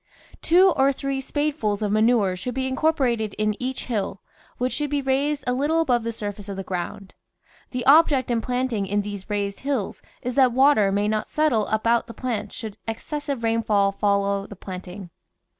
Two or three spadefuls of manure should be incorporated in each hill, which should be raised a little above the surface of the ground. The object in planting in these raised hills is that water may not settle about the plants should excessive rainfall follow the planting.